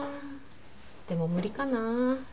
でも無理かな？